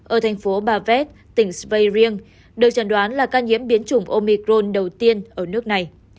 ở thành phố bavet tỉnh sveing được chẩn đoán là ca nhiễm biến chủng omicron đầu tiên ở nước này